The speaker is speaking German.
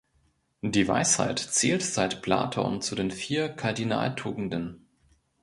Die Weisheit zählt seit Platon zu den vier Kardinaltugenden.